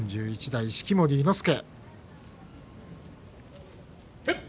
４１代式守伊之助。